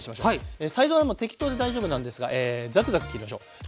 サイズはもう適当で大丈夫なんですがザクザク切りましょう。